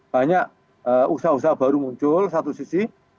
banyak usaha usaha baru muncul satu sisi